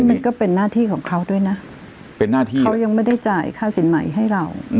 มันก็เป็นหน้าที่ของเขาด้วยนะเป็นหน้าที่เขายังไม่ได้จ่ายค่าสินใหม่ให้เรา